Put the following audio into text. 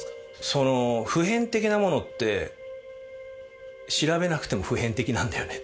その普遍的なものって調べなくても普遍的なんだよね